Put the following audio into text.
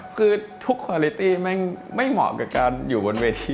คือทุกคอลิตี้ไม่เหมาะกับการอยู่บนเวที